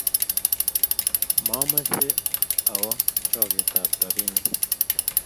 Mamache awe chogetab robinik